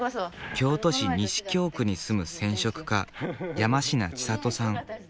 京都市西京区に住む染色家山科千里さん。